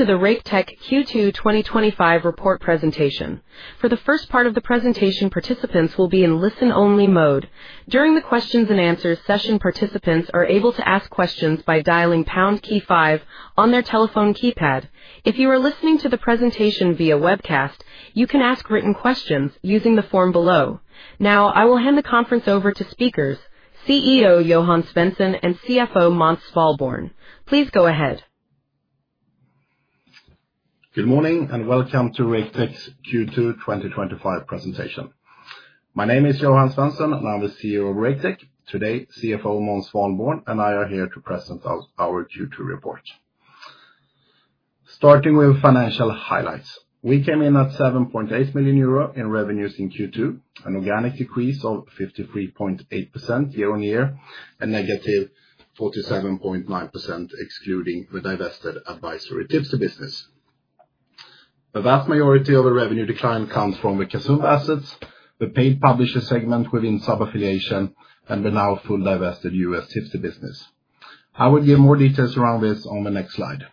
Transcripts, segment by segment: Welcome to the Raketech Q2 2025 report presentation. For the first part of the presentation, participants will be in listen-only mode. During the questions and answers session, participants are able to ask questions by dialing pound key five on their telephone keypad. If you are listening to the presentation via webcast, you can ask written questions using the form below. Now, I will hand the conference over to speakers: CEO Johan Svensson and CFO Måns Svalborn. Please go ahead. Good morning and welcome to Raketech's Q2 2025 presentation. My name is Johan Svensson and I'm the CEO of Raketech. Today, CFO Måns Svalborn and I are here to present our Q2 report. Starting with financial highlights, we came in at 7.8 million euro in revenues in Q2, an organic decrease of 53.8% year-on-year and -47.9% excluding the divested advisory tips business. A vast majority of the revenue decline comes from the Casumba assets, the paid publisher segment within sub-affiliation, and the now fully divested US tipster business. I will give more details around this on the next slide.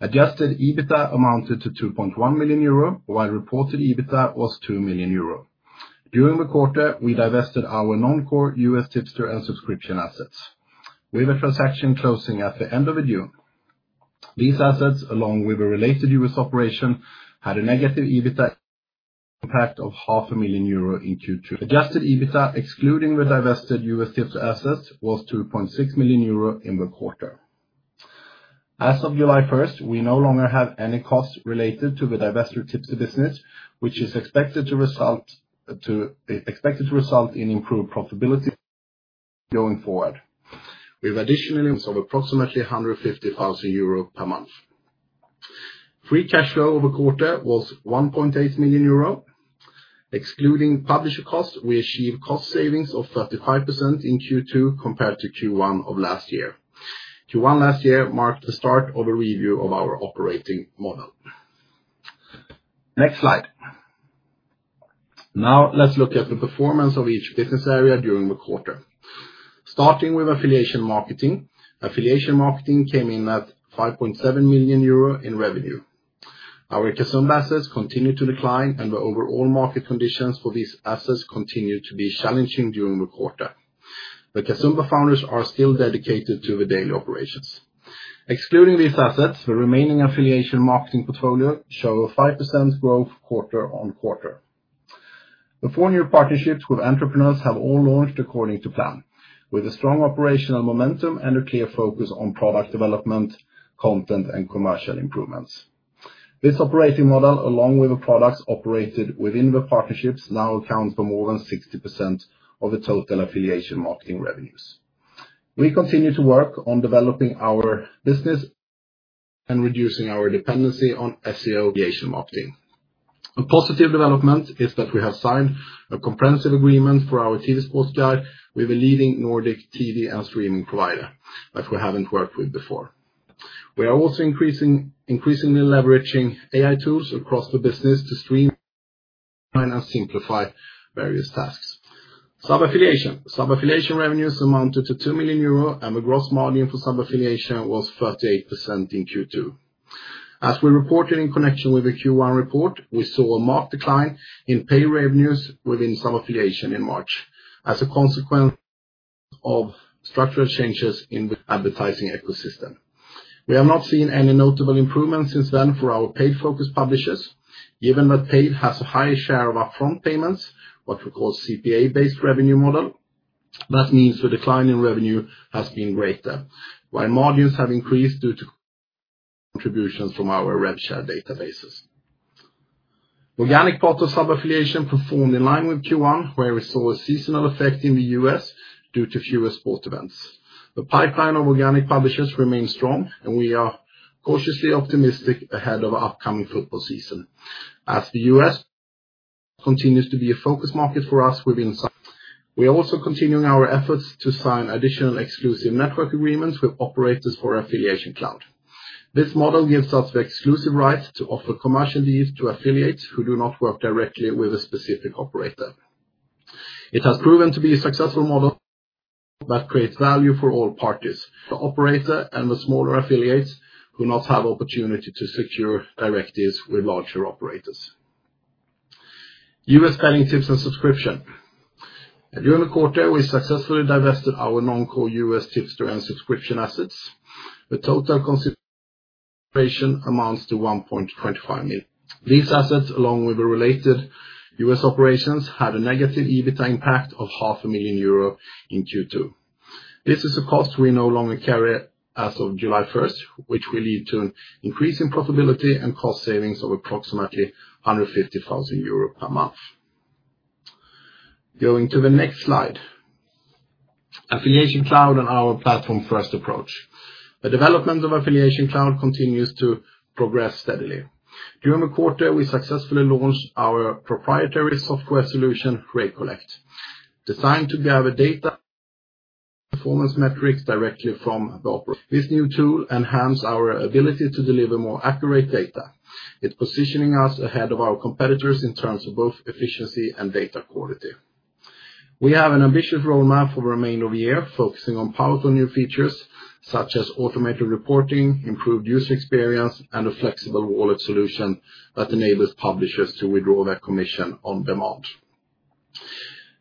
Adjusted EBITDA amounted to 2.1 million euro, while reported EBITDA was 2 million euro. During the quarter, we divested our non-core US tipster and subscription assets, with a transaction closing at the end of June. These assets, along with the related US operation, had a negative EBITDA impact of 0.5 million euro in Q2. Adjusted EBITDA, excluding the divested US tipster assets, was 2.6 million euro in the quarter. As of July 1, we no longer have any costs related to the divested tipster business, which is expected to result in improved profitability going forward. We've additionally saved approximately 150,000 euro per month. Free cash flow over the quarter was 1.8 million euro. Excluding publisher costs, we achieved cost savings of 35% in Q2 compared to Q1 of last year. Q1 last year marked the start of a review of our operating model. Next slide. Now let's look at the performance of each business area during the quarter. Starting with affiliation marketing, affiliation marketing came in at 5.7 million euro in revenue. Our Casumba assets continued to decline and the overall market conditions for these assets continued to be challenging during the quarter. The Casumba founders are still dedicated to the daily operations. Excluding these assets, the remaining affiliation marketing portfolio shows 5% growth quarter on quarter. The four-year partnerships with entrepreneurs have all launched according to plan, with a strong operational momentum and a clear focus on product development, content, and commercial improvements. This operating model, along with the products operated within the partnerships, now accounts for more than 60% of the total affiliation marketing revenues. We continue to work on developing our business and reducing our dependency on SEO affiliation marketing. A positive development is that we have signed a comprehensive agreement for our TV sports guide with a leading Nordic TV and streaming provider that we haven't worked with before. We are also increasingly leveraging AI tools across the business to streamline and simplify various tasks. Sub-affiliation revenues amounted to 2 million euro and the gross margin for sub-affiliation was 38% in Q2. As we reported in connection with the Q1 report, we saw a marked decline in pay revenues within sub-affiliation in March. As a consequence of structural changes in the advertising ecosystem, we have not seen any notable improvements since then for our paid focus publishers, given that paid has a higher share of upfront payments, what we call CPA-based revenue model. That means the decline in revenue has been greater, while margins have increased due to contributions from our rev share databases. The organic part of sub-affiliation performed in line with Q1, where we saw a seasonal effect in the U.S. due to fewer sport events. The pipeline of organic publishers remains strong and we are cautiously optimistic ahead of the upcoming football season. As the U.S. continues to be a focus market for us within sub-affiliation, we are also continuing our efforts to sign additional exclusive network agreements with operators for Affiliation Cloud. This model gives us the exclusive rights to offer commercial deals to affiliates who do not work directly with a specific operator. It has proven to be a successful model that creates value for all parties, operator and the smaller affiliates who do not have the opportunity to secure directives with larger operators. U.S. paying tips and subscription. During the quarter, we successfully divested our non-core U.S. Tipster and subscription assets. The total consideration amounts to 1.25 million. These assets, along with the related U.S. operations, had a negative EBITDA impact of 0.5 million euro in Q2. This is a cost we no longer carry as of July 1, which will lead to an increase in profitability and cost savings of approximately 150,000 euros per month. Going to the next slide. Affiliation Cloud and our platform-first approach. The development of Affiliation Cloud continues to progress steadily. During the quarter, we successfully launched our proprietary software solution, Rakeecollect, designed to gather data performance metrics directly from the operator. This new tool enhanced our ability to deliver more accurate data, positioning us ahead of our competitors in terms of both efficiency and data quality. We have an ambitious roadmap for the remainder of the year, focusing on powerful new features such as automated reporting, improved user experience, and a flexible wallet solution that enables publishers to withdraw their commission on demand.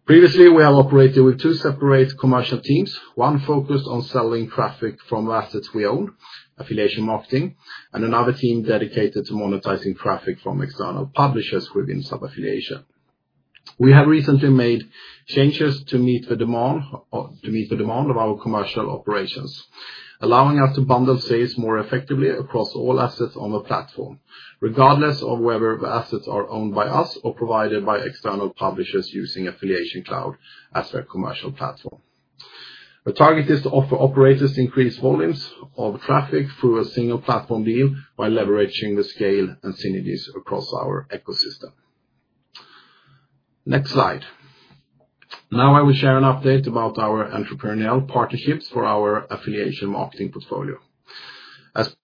Previously, we have operated with two separate commercial teams, one focused on selling traffic from the assets we own, affiliation marketing, and another team dedicated to monetizing traffic from external publishers within sub-affiliation. We have recently made changes to meet the demand of our commercial operations, allowing us to bundle sales more effectively across all assets on the platform, regardless of whether the assets are owned by us or provided by external publishers using Affiliation Cloud as their commercial platform. The target is to offer operators increased volumes of traffic through a single platform deal while leveraging the scale and synergies across our ecosystem. Next slide. Now I will share an update about our entrepreneurial partnerships for our affiliation marketing portfolio. As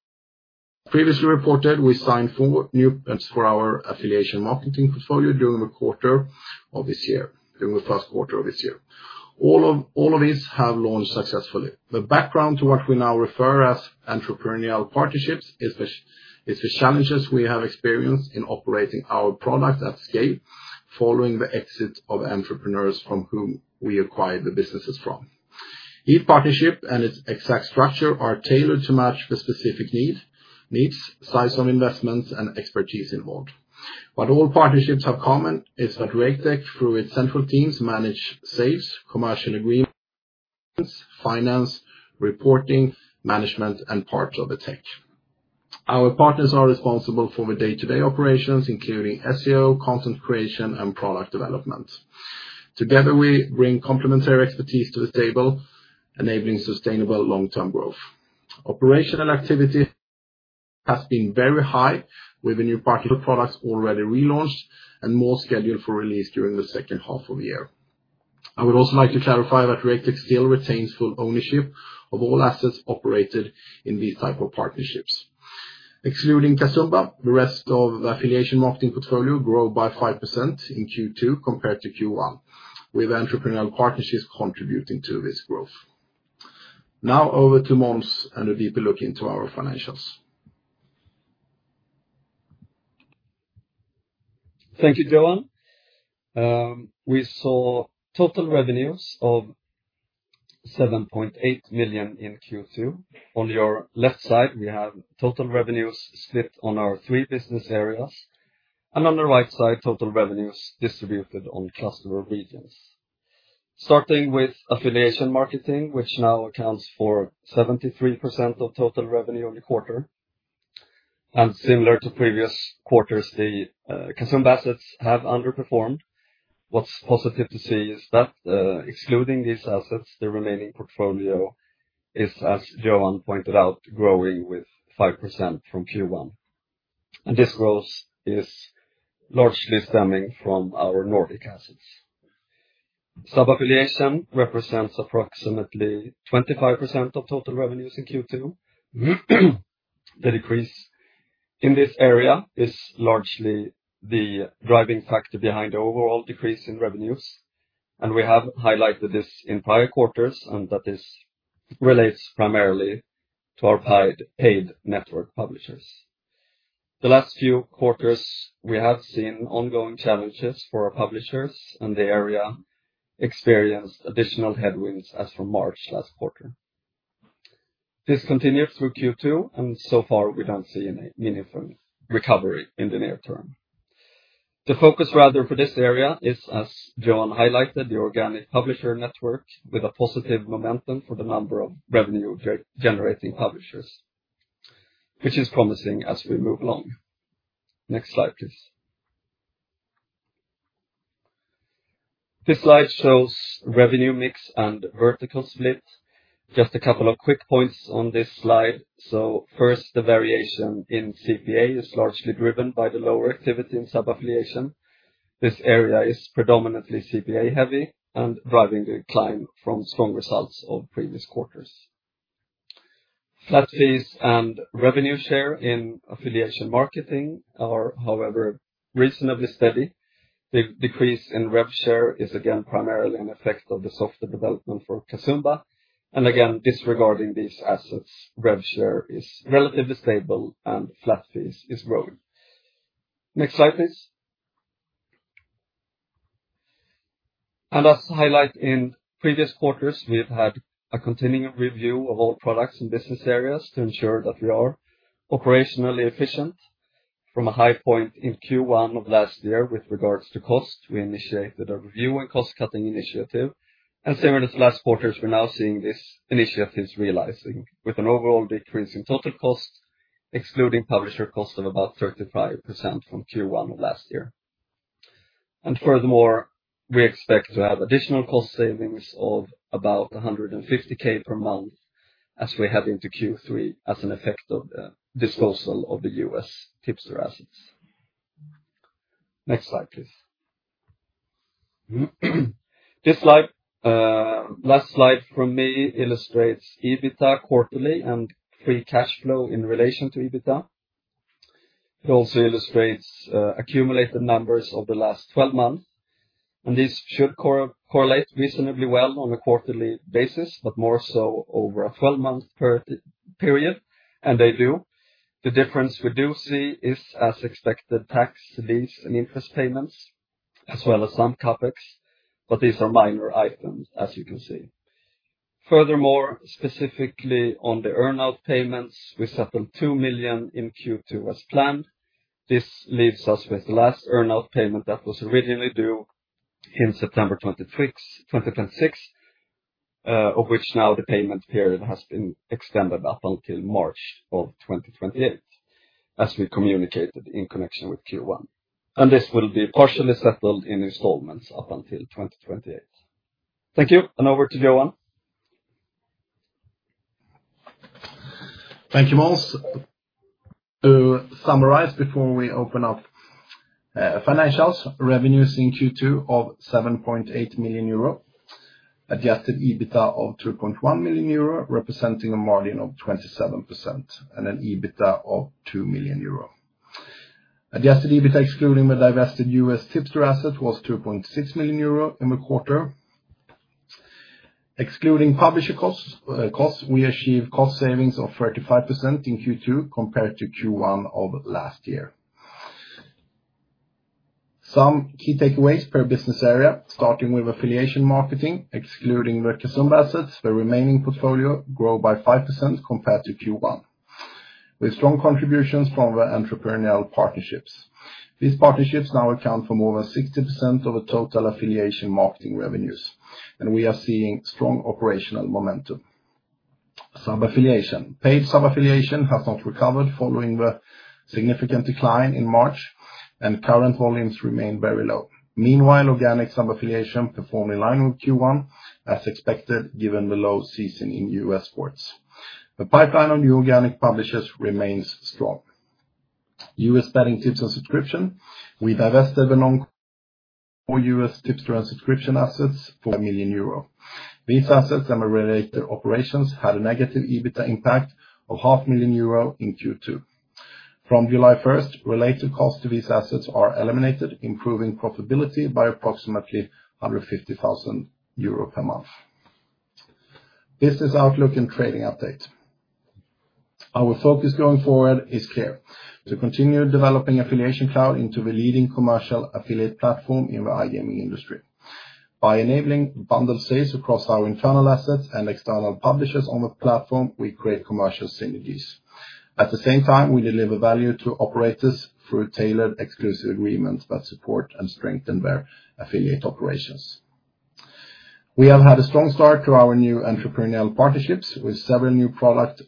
previously reported, we signed four new partnerships for our affiliation marketing portfolio during the first quarter of this year. All of these have launched successfully. The background to what we now refer to as entrepreneurial partnerships is the challenges we have experienced in operating our products at scale following the exit of entrepreneurs from whom we acquired the businesses. Each partnership and its exact structure are tailored to match the specific needs, size of investments, and expertise involved. What all partnerships have in common is that Raketech, through its central teams, manage sales, commercial agreements, finance, reporting, management, and parts of the tech. Our partners are responsible for the day-to-day operations, including SEO, content creation, and product development. Together, we bring complementary expertise to the table, enabling sustainable long-term growth. Operational activity has been very high, with the new partnership products already relaunched and more scheduled for release during the second half of the year. I would also like to clarify that Raketech still retains full ownership of all assets operated in these types of partnerships. Excluding Casumba, the rest of the affiliation marketing portfolio grew by 5% in Q2 compared to Q1, with entrepreneurial partnerships contributing to this growth. Now over to Måns and a deeper look into our financials. Thank you, Johan. We saw total revenues of $7.8 million in Q2. On your left side, we have total revenues split on our three business areas, and on the right side, total revenues distributed on cluster of regions. Starting with affiliation marketing, which now accounts for 73% of total revenue in the quarter, and similar to previous quarters, the Casumba assets have underperformed. What's positive to see is that excluding these assets, the remaining portfolio is, as Johan pointed out, growing with 5% from Q1. This growth is largely stemming from our Nordic assets. Sub-affiliation represents approximately 25% of total revenues in Q2. The decrease in this area is largely the driving factor behind the overall decrease in revenues. We have highlighted this in prior quarters and that this relates primarily to our paid network publishers. The last few quarters, we have seen ongoing challenges for our publishers and the area experienced additional headwinds as from March last quarter. This continued through Q2, and so far we don't see any meaningful recovery in the near term. The focus rather for this area is, as Johan highlighted, the organic publisher network with a positive momentum for the number of revenue-generating publishers, which is promising as we move along. Next slide, please. This slide shows revenue mix and vertical split. Just a couple of quick points on this slide. The variation in CPA is largely driven by the lower activity in sub-affiliation. This area is predominantly CPA heavy and driving the decline from strong results of previous quarters. Flat fees and revenue share in affiliation marketing are, however, reasonably steady. The decrease in rev share is again primarily an effect of the software development for Casumba. Disregarding these assets, rev share is relatively stable and flat fees are growing. Next slide, please. As highlighted in previous quarters, we've had a continued review of all products and business areas to ensure that we are operationally efficient. From a high point in Q1 of last year with regards to cost, we initiated a review and cost-cutting initiative. As early as last quarter, we're now seeing these initiatives realizing with an overall decrease in total cost, excluding publisher cost, of about 35% from Q1 of last year. Furthermore, we expect to have additional cost savings of about 150,000 per month as we head into Q3 as an effect of the disposal of the U.S. Tipster assets. Next slide, please. This slide, last slide from me, illustrates EBITDA quarterly and free cash flow in relation to EBITDA. It also illustrates accumulated numbers of the last 12 months. These should correlate reasonably well on a quarterly basis, but more so over a 12-month period, and they do. The difference we do see is, as expected, tax, lease, and interest payments, as well as some capex, but these are minor items, as you can see. Furthermore, specifically on the earnout payments, we settled 2 million in Q2 as planned. This leaves us with the last earnout payment that was originally due in September 2026, of which now the payment period has been extended up until March of 2028, as we communicated in connection with Q1. This will be partially settled in installments up until 2028. Thank you. And over to Johan. Thank you, Måns. To summarize before we open up, financials, revenues in Q2 of 7.8 million euro, adjusted EBITDA of 3.1 million euro, representing a margin of 27%, and an EBITDA of 2 million euro. Adjusted EBITDA excluding the divested U.S. tipster assets was 2.6 million euro in the quarter. Excluding publisher costs, we achieved cost savings of 35% in Q2 compared to Q1 of last year. Some key takeaways per business area, starting with affiliation marketing, excluding the Casumba assets, the remaining portfolio grew by 5% compared to Q1, with strong contributions from the entrepreneurial partnerships. These partnerships now account for more than 60% of the total affiliation marketing revenues, and we are seeing strong operational momentum. Sub-affiliation, paid sub-affiliation has not recovered following the significant decline in March, and current volumes remain very low. Meanwhile, organic sub-affiliation performed in line with Q1, as expected, given the low season in U.S. sports. The pipeline on new organic publishers remains strong. U.S. betting tips and subscriptions, we divested the non-core U.S. Tipster and subscription assets for 1 million euro. These assets and the related operations had a negative EBITDA impact of 0.5 million euro in Q2. From July 1, related costs to these assets are eliminated, improving profitability by approximately 150,000 euro per month. Business outlook and trading update. Our focus going forward is clear: to continue developing Affiliation Cloud into the leading commercial affiliate platform in the iGaming industry. By enabling bundle sales across our internal assets and external publishers on the platform, we create commercial synergies. At the same time, we deliver value to operators through tailored exclusive agreements that support and strengthen their affiliate operations. We have had a strong start to our new entrepreneurial partnerships with several new product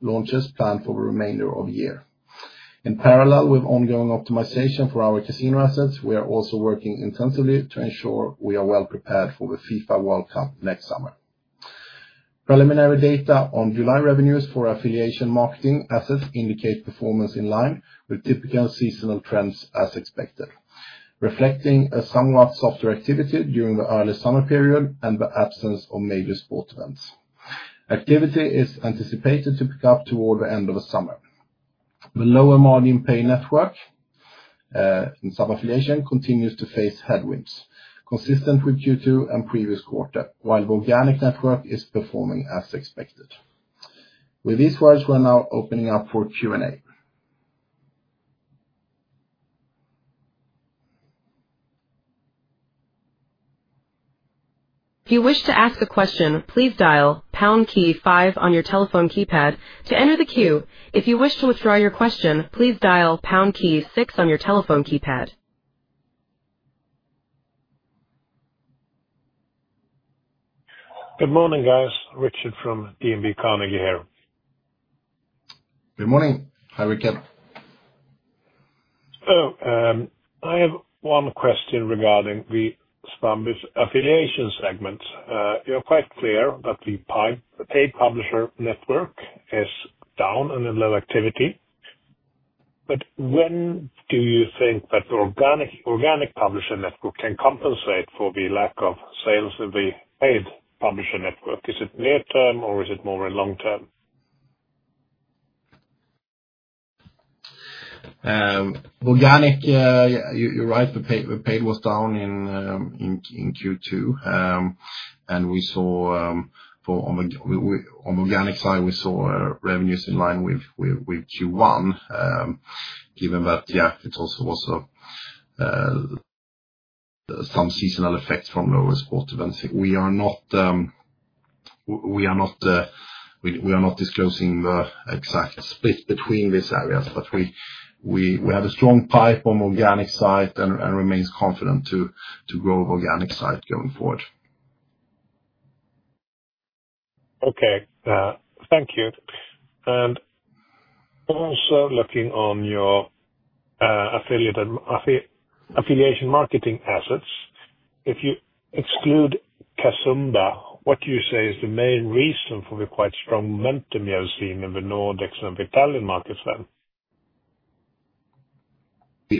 launches planned for the remainder of the year. In parallel with ongoing optimization for our casino assets, we are also working intensively to ensure we are well prepared for the FIFA World Cup next summer. Preliminary data on July revenues for affiliation marketing assets indicate performance in line with typical seasonal trends as expected, reflecting a somewhat softer activity during the early summer period and the absence of major sport events. Activity is anticipated to pick up toward the end of the summer. The lower margin paid publisher network in sub-affiliation continues to face headwinds, consistent with Q2 and previous quarter, while the organic publisher network is performing as expected. With these words, we're now opening up for Q&A. If you wish to ask a question, please dial pound key five on your telephone keypad to enter the queue. If you wish to withdraw your question, please dial pound key six on your telephone keypad. Good morning, guys. Richard from DNB Carnegie here. Good morning. Hi, Richard. I have one question regarding the affiliation segments. You're quite clear that the paid publisher network is down and in low activity. When do you think that the organic publisher network can compensate for the lack of sales in the paid publisher network? Is it near term or is it more in long term? Organic, you're right. The paid was down in Q2, and we saw, on the organic side, we saw revenues in line with Q1. Given that, yeah, it also was some seasonal effects from lower sport events. We are not disclosing the exact split between this area, but we have a strong pipe on the organic side and remain confident to grow the organic side going forward. Okay. Thank you. Also, looking on your affiliation marketing assets, if you exclude Casumba, what do you say is the main reason for the quite strong momentum you're seeing in the Nordic and Italian markets then?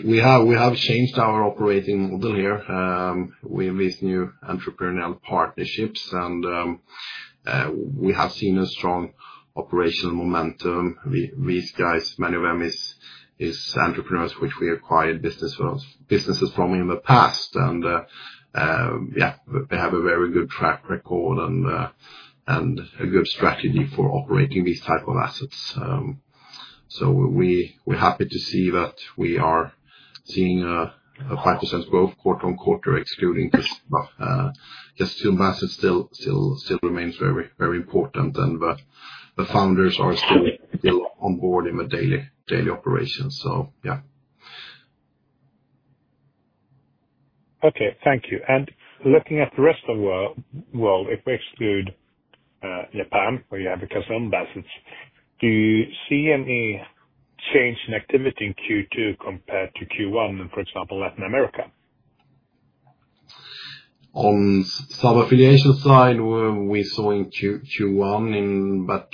We have changed our operating model here with these new entrepreneurial partnerships, and we have seen a strong operational momentum. These guys, many of them are entrepreneurs which we acquired businesses from in the past. They have a very good track record and a good strategy for operating these type of assets. We're happy to see that we are seeing a 5% growth quarter on quarter, excluding Casumba assets, still remains very, very important. The founders are still on board in the daily operations. Okay. Thank you. Looking at the rest of the world, if we exclude Japan, where you have the Casumba assets, do you see any change in activity in Q2 compared to Q1 in, for example, Latin America? On the sub-affiliation side, we saw in Q1, but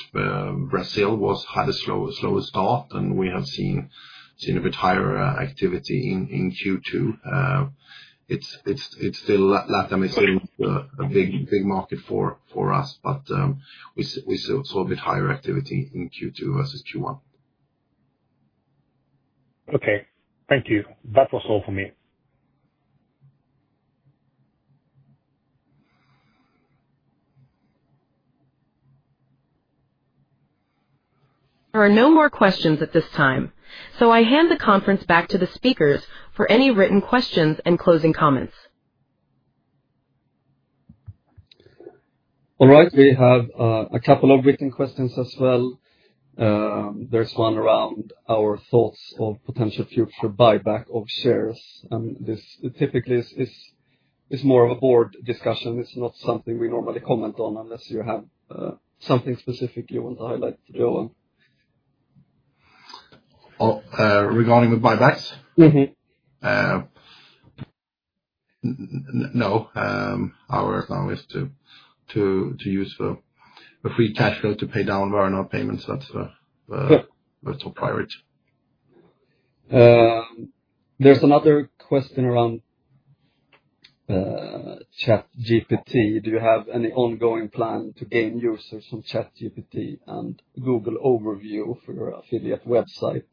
Brazil had a slower start, and we have seen a bit higher activity in Q2. It's still, Latin America is still a big market for us, but we saw a bit higher activity in Q2 versus Q1. Okay, thank you. That was all for me. There are no more questions at this time. I hand the conference back to the speakers for any written questions and closing comments. All right. We have a couple of written questions as well. There's one around our thoughts of potential future buyback of shares. This typically is more of a Board discussion. It's not something we normally comment on unless you have something specific you want to highlight, Johan. Regarding the buybacks? Mm-hmm. No, our account is too useful. If we catch those to pay down our payments, that's a top priority. There's another question around ChatGPT. Do you have any ongoing plan to gain users on ChatGPT and Google Overview for your affiliate website?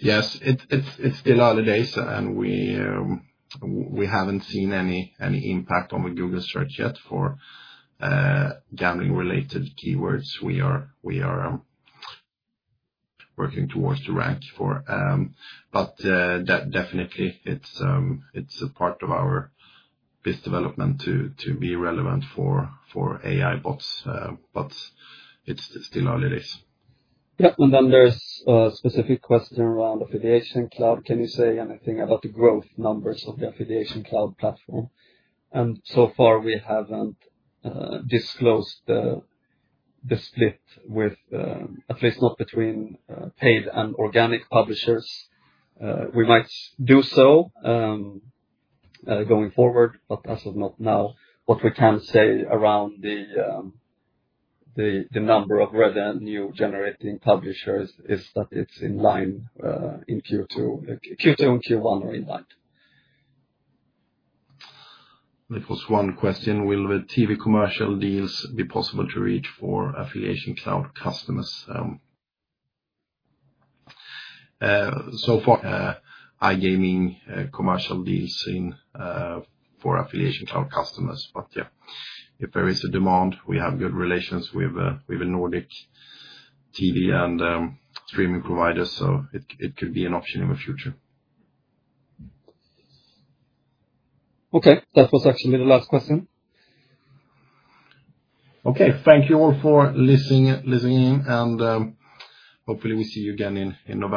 Yes. It's still early days, and we haven't seen any impact on the Google search yet for gambling-related keywords. We are working towards the rank for, but definitely, it's a part of our business development to be relevant for AI bots. It's still early days. Yeah. There's a specific question around Affiliation Cloud. Can you say anything about the growth numbers of the Affiliation Cloud platform? So far, we haven't disclosed the split, at least not between paid and organic publishers. We might do so going forward, but as of not now. What we can say around the number of revenue-generating publishers is that it's in line in Q2. Q2 and Q1 are in line. There was one question. Will the TV commercial deals be possible to reach for Affiliation Cloud customers? So far, iGaming commercial deals for Affiliation Cloud customers. If there is a demand, we have good relations with the Nordic TV and streaming providers, so it could be an option in the future. Okay, that was actually the last question. Okay, thank you all for listening in, and hopefully, we see you again in another.